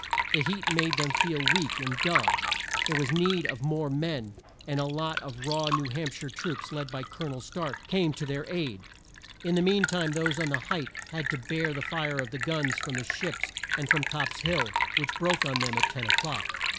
The heat made them feel weak and dull. There was need of more men, and a lot of raw New Hamp shire troops, led by Col o nel Stark came to their aid. In the mean time those on the height had to bear the fire of the guns from the ships and from Copp's Hill, which broke on them at ten o'clock.